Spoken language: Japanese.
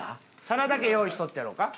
皿だけ用意しとってやろうか？